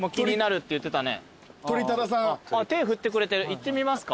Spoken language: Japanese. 行ってみますか？